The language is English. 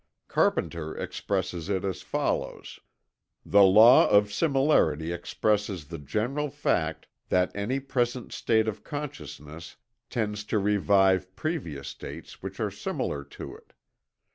Carpenter expresses it as follows: "The law of similarity expresses the general fact that any present state of consciousness tends to revive previous states which are similar to it....